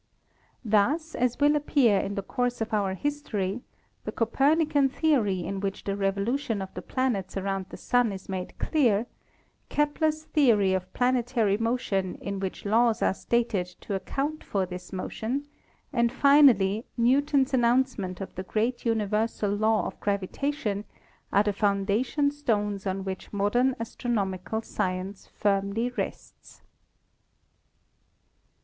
Thus, as will appear in the course of our history, the Copernican theory in which the revolution of the planets around the Sun is made clear, Kepler's theory of planetary motion in which laws are stated to account for this motion, and finally, Newton's announcement of the great universal law of gravitation, are the foundation stones on which modern astronomical science firmly rests.